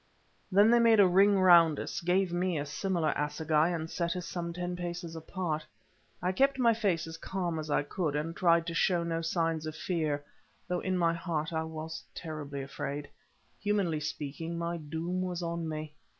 Then they made a ring round us, gave me a similar assegai, and set us some ten paces apart. I kept my face as calm as I could, and tried to show no signs of fear, though in my heart I was terribly afraid. Humanly speaking, my doom was on me.